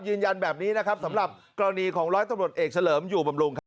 ยืนยันแบบนี้นะครับสำหรับกรณีของร้อยตำรวจเอกเฉลิมอยู่บำรุงครับ